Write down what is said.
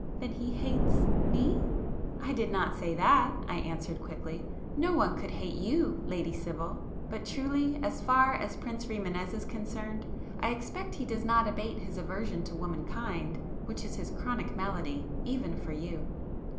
"Then he hates me?" "I did not say that—" I answered quickly—"No one could hate you, Lady Sibyl,—but truly, as far as Prince Rimânez is concerned, I expect he does not abate his aversion to womankind (which is his chronic malady) even for you."